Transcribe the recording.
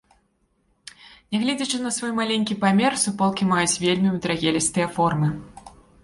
Нягледзячы на свой маленькі памер, суполкі маюць вельмі мудрагелістыя формы.